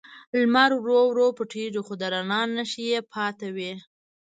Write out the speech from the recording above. لمر ورو ورو پټیږي، خو د رڼا نښې یې پاتې وي.